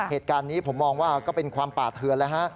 เหตุการณ์นี้ผมมองว่าก็เป็นความป่าเทือนแล้วฮะ